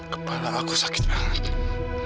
kepala aku sakit banget